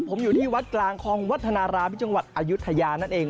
ผมอยู่ที่วัดกลางคลองวัฒนารามที่จังหวัดอายุทยานั่นเอง